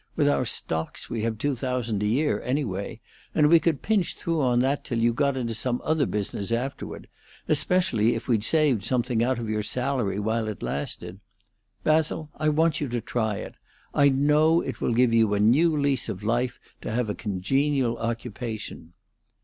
With our stocks we have two thousand a year, anyway, and we could pinch through on that till you got into some other business afterward, especially if we'd saved something out of your salary while it lasted. Basil, I want you to try it! I know it will give you a new lease of life to have a congenial occupation."